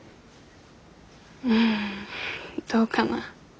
うんどうかな